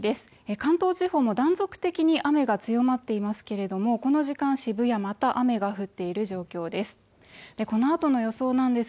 関東地方も断続的に雨が強まっていますけれどもこの時間、渋谷、また雨が降っている状況です。